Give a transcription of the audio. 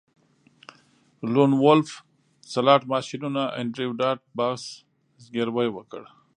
لون وولف سلاټ ماشینونه انډریو ډاټ باس زګیروی وکړ